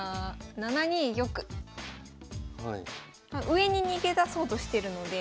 上に逃げ出そうとしてるので。